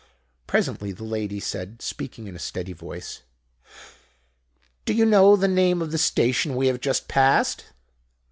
Presently the lady said, speaking in a steady voice "'Do you know the name of the station we have just passed?'